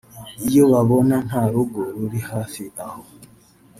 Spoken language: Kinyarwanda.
iyo babona nta rugo ruri hafi aho